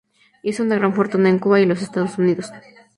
Hizo una gran fortuna en Cuba y los Estados Unidos.